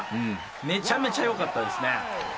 めちゃめちゃよかったですね。